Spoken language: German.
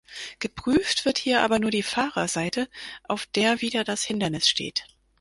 Geprüft wird hier aber nur die Fahrerseite, auf der wieder das Hindernis steht.